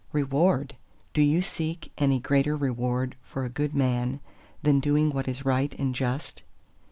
Reward! do you seek any greater reward for a good man than doing what is right and just?